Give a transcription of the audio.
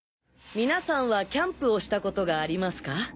みなさんはキャンプをした事がありますか？